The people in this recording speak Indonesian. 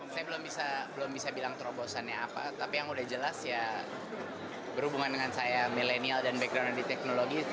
saya belum bisa bilang terobosannya apa tapi yang udah jelas ya berhubungan dengan saya milenial dan background di teknologi